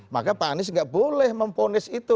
maka pak anies nggak boleh memponis itu